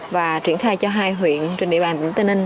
và triển khai cho hai huyện trên địa bàn tỉnh tây ninh